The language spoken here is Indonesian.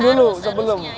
ada training dulu sebelum